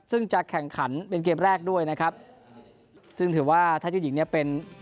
ซึ่งจะแข่งขันเป็นเกมแรกด้วยนะครับซึ่งถือว่าถ้าเจ้าหญิงเนี่ยเป็น